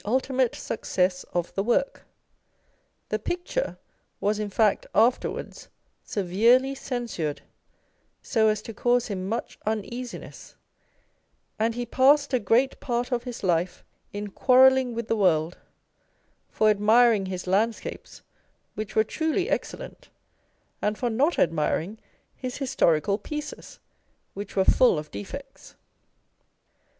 ultimate success of the work : the picture was in fact afterwards severely censured, so as to cause him much iineasiness ; and he passed a great part of his life in quarrelling with the world for admiring his landscapes, which were truly excellent, and for not admiring his historical pieces, which were full of defects.